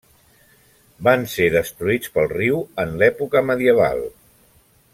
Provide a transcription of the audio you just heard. Van ser destruïts pel riu en l'època medieval.